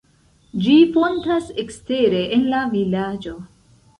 Ĝi fontas ekstere en la vilaĝo.